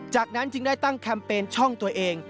จากนั้นจึงได้ตั้งแคมเปญช่องตัวเอง